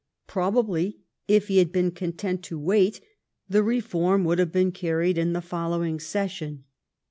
Probably if he had been content to wait, the reform would have been carried in the following session.